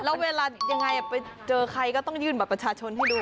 แล้วเวลายังไงไปเจอใครก็ต้องยื่นบัตรประชาชนให้ดู